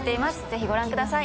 爾ご覧ください。